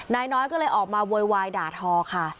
นายน้อยก็เลยออกมาโวยวายด่าทอค่ะ